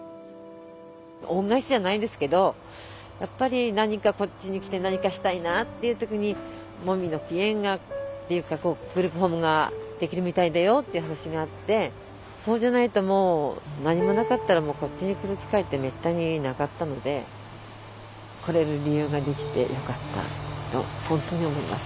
恩返しじゃないんですけどやっぱり何かこっちに来て何かしたいなっていう時にもみの木苑がっていうかグループホームができるみたいだよっていう話があってそうじゃないともう何もなかったらもうこっちに来る機会ってめったになかったので来れる理由ができてよかったと本当に思います。